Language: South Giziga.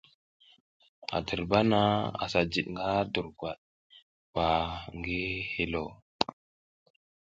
A dirba naha asa jid nga durgwad ɓa ngi hilo.